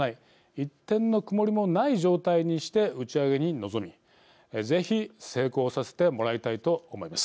一点の曇りもない状態にして打ち上げに臨みぜひ成功させてもらいたいと思います。